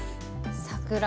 桜？